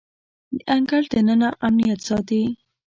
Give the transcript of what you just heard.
د انګړ دننه امنیت ساتي.